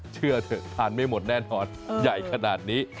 เชื่อเถอะทานไม่หมดแน่นอนใหญ่ขนาดนี้